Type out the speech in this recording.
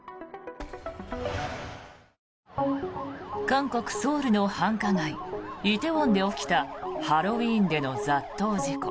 韓国ソウルの繁華街梨泰院で起きたハロウィーンでの雑踏事故。